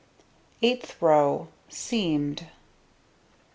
Eighth row: Seamed.